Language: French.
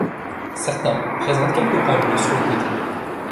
Certains présentent quelques points bleus sur les côtés.